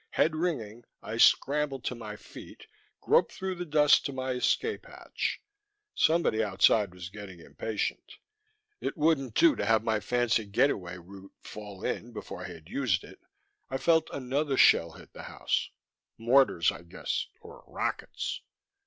Head ringing, I scrambled to my feet, groped through the dust to my escape hatch. Somebody outside was getting impatient. It wouldn't do to have my fancy getaway route fall in before I had used it. I felt another shell hit the house: mortars, I guessed, or rockets.